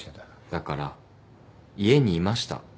だから家にいました。